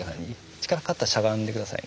力がかかったらしゃがんで下さいね。